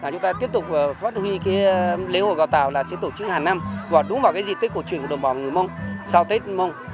chúng ta tiếp tục phát huy lễ hội gạo tàu là sẽ tổ chức hàng năm đúng vào dị tích của truyền của đồng bào người mông sau tết mông